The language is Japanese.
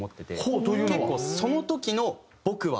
結構その時の「僕は」